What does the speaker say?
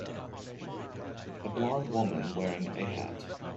A blond woman wearing a hat.